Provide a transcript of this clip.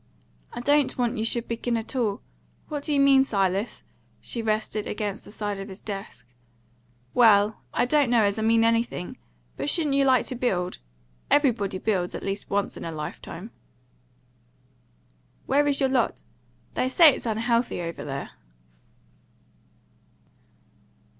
"I don't want you should begin at all. What do you mean, Silas?" She rested against the side of his desk. "Well, I don't know as I mean anything. But shouldn't you like to build? Everybody builds, at least once in a lifetime." "Where is your lot? They say it's unhealthy, over there."